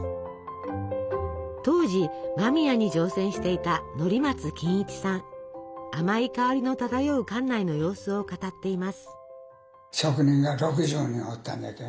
当時間宮に乗船していたあまい香りの漂う艦内の様子を語っています。